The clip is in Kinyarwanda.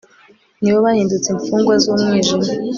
ni bo bahindutse imfungwa z'umwijima